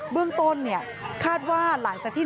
เบื้องต้นคาดว่าหลังจากที่